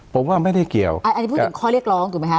ผมว่าไม่ได้เกี่ยวอันนี้พูดถึงข้อเรียกร้องถูกไหมคะ